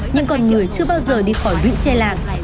nhưng còn người chưa bao giờ đi khỏi đụy che lạc